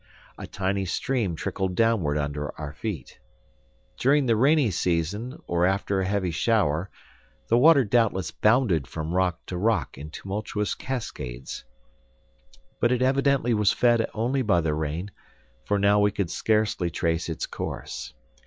A tiny stream trickled downward under our feet. During the rainy season or after a heavy shower, the water doubtless bounded from rock to rock in tumultuous cascades. But it evidently was fed only by the rain, for now we could scarcely trace its course.